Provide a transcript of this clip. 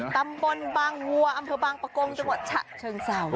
ตำบลบางวัวอำเภอบางประกงจังหวัดฉะเชิงเศร้า